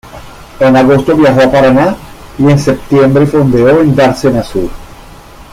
En agosto viajó a Paraná y en septiembre fondeó en Dársena Sur.